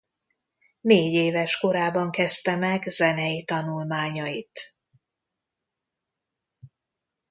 Négy éves korában kezdte meg zenei tanulmányait.